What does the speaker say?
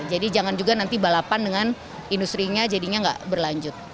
jadi jangan juga nanti balapan dengan industri nya jadinya gak berlanjut